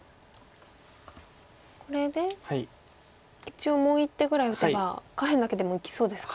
これで一応もう１手ぐらい打てば下辺だけでも生きそうですか。